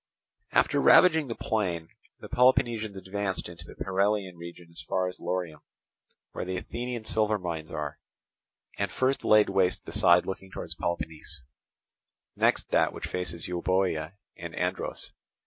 After ravaging the plain, the Peloponnesians advanced into the Paralian region as far as Laurium, where the Athenian silver mines are, and first laid waste the side looking towards Peloponnese, next that which faces Euboea and Andros.